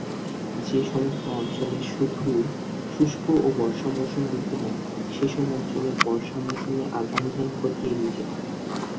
যে সমস্ত অঞ্চলে শুধু শুষ্ক ও বর্ষা মৌসুম বিদ্যমান, সে সব অঞ্চলে বর্ষা মৌসুমের আগাম ধান ক্ষতি এড়িয়ে যেতে পারে।